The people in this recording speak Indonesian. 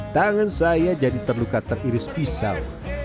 tangan saya jadi terluka teriris pisau